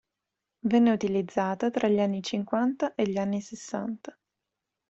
Venne utilizzata tra gli anni cinquanta e gli anni sessanta.